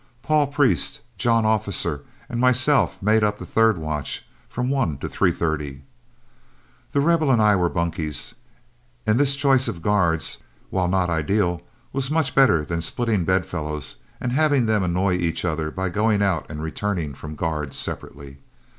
Paul Priest, John Officer, and myself made up the third watch, from one to three thirty. The Rebel and I were bunkies, and this choice of guards, while not ideal, was much better than splitting bedfellows and having them annoy each other by going out and returning from guard separately.